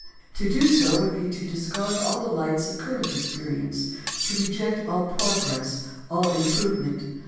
To do so would be to discard all the lights of current experience — to reject all progress, all im provement.